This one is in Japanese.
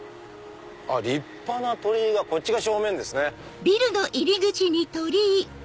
立派な鳥居がこっちが正面ですね。